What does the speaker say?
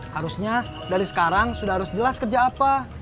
harusnya dari sekarang sudah harus jelas kerja apa